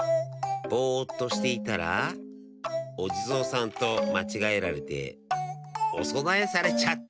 ぼっとしていたらおじぞうさんとまちがえられておそなえされちゃった。